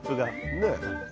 ねえ。